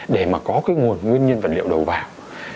để có nguồn nguyên nhân vật liệu đầu vào